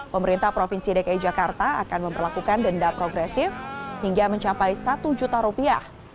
pemerintah provinsi dki jakarta akan memperlakukan denda progresif hingga mencapai satu juta rupiah